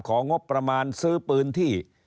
ของงบประมาณซื้อปืนที่